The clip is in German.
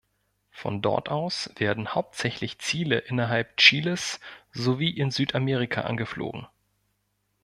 Von dort aus werden hauptsächlich Ziele innerhalb Chiles sowie in Südamerika angeflogen.